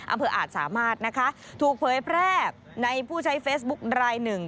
๑๐๑อำเภออาจสามารถนะคะถูกเผยแพร่บในผู้ใช้เฟสบุ๊คดรายหนึ่ง